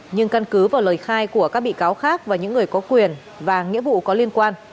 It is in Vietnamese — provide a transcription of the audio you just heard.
nhưng căn cứ vào lời khai của các bị cáo khác và những người có quyền và nghĩa vụ có liên quan